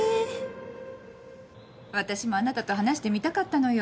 私もあなたと話してみたかったのよ。